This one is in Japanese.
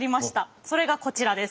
それがこちらです。